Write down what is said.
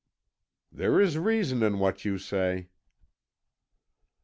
"There is reason in what you say."